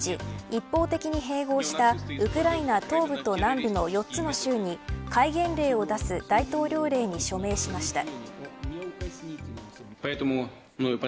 一方的に併合したウクライナ東部と南部の４つの州に戒厳令を出す大統領令に署名しました。